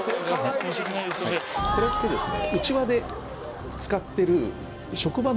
これってですね。